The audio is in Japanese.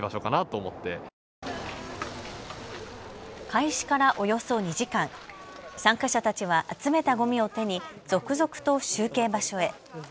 開始からおよそ２時間、参加者たちは集めたごみを手に続々と集計場所へ。